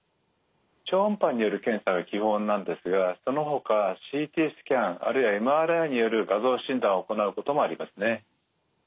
超音波による検査が基本なんですがそのほかＣＴスキャンあるいはＭＲＩによる画像診断を行うこともありますね。